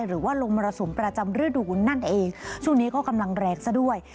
หรือว่าลมมรสุมประจำฤดูนั่นเองช่วงนี้ก็กำลังแรงซะด้วย